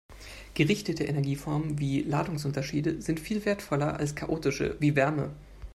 Gerichtete Energieformen wie Ladungsunterschiede sind viel wertvoller als chaotische wie Wärme.